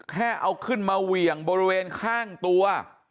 แค่เอาขึ้นมาเหวี่ยงบริเวณข้างตัว